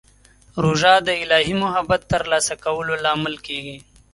روژه د الهي محبت ترلاسه کولو لامل کېږي.